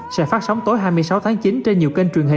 sẽ phát sóng tối hai mươi sáu tháng chín